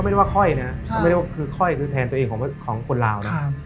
ไม่ได้ว่าคือค่อยคือแทนตัวเองของของคนราวนะครับ